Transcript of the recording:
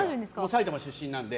埼玉出身なので。